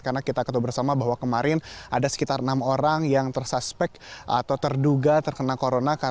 karena kita ketemu bersama bahwa kemarin ada sekitar enam orang yang tersaspek atau terduga terkena corona